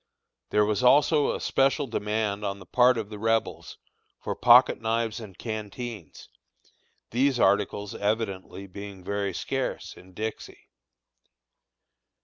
There was also a special demand on the part of the Rebels for pocket knives and canteens, these articles evidently being very scarce in Dixie.